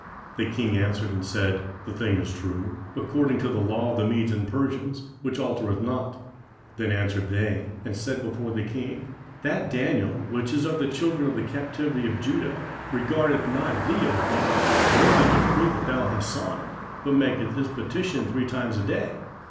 The king answered and said, The thing is true, according to the law of the Medes and Persians, which altereth not. 27:006:013 Then answered they and said before the king, That Daniel, which is of the children of the captivity of Judah, regardeth not thee, O king, nor the decree that thou hast signed, but maketh his petition three times a day.